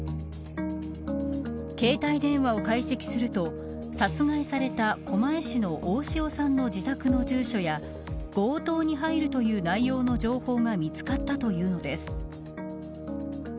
携帯電話を解析すると殺害された狛江市の大塩さんの自宅の住所や強盗に入るという内容の情報が見つかったというのです。